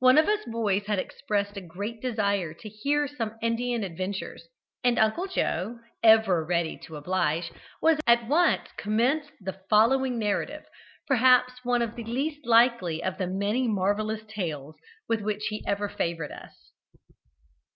One of us boys had expressed a great desire to hear of some Indian adventures, and Uncle Joe, ever ready to oblige, at once commenced the following narrative, perhaps one of the least likely of the many marvellous tales with which he ever favoured us.